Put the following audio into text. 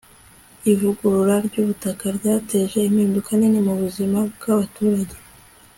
Ivugurura ryubutaka ryateje impinduka nini mubuzima bwabaturage